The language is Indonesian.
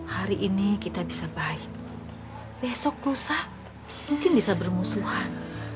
hari ini kita bisa baik besok lusa mungkin bisa bermusuhan